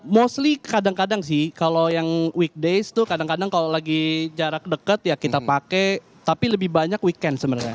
mostly kadang kadang sih kalau yang weekdays tuh kadang kadang kalau lagi jarak dekat ya kita pakai tapi lebih banyak weekend sebenarnya